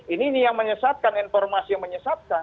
ini yang menyesatkan informasi yang menyesatkan